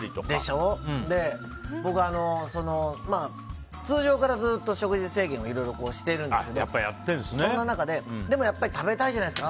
僕、通常から食事制限をいろいろしてるんですけどその中で、でもやっぱり食べたいじゃないですか。